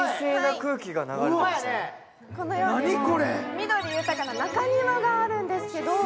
緑豊かな中庭があるんですけど。